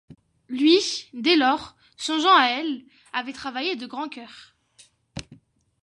Lui, dès lors, songeant à elle, avait travaillé de grand coeur.